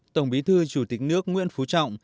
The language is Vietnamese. tổng bí thư chủ tịch nước nguyễn phú trọng